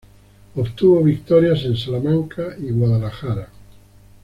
Obtuvo victorias en Salamanca y Guadalajara.